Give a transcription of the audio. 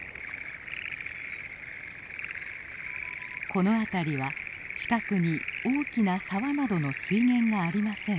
この辺りは近くに大きな沢などの水源がありません。